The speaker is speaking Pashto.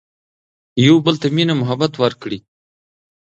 يو بل ته مينه محبت ور کړي